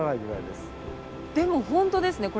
でも本当ですね。